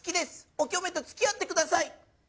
おきょめと付き合ってください。